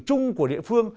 trung của địa phương